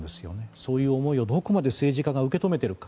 そういう思いを、どこまで政治家が受け止めてるか。